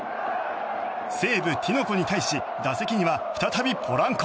西武、ティノコに対し打席には再びポランコ。